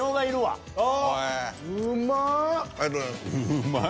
うまい。